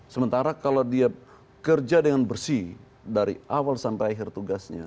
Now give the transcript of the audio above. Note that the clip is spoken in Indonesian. sementara kalau dia kerja dengan bersih dari awal sampai akhir tugasnya